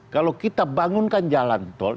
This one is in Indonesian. kalau kita bangunkan jalan tol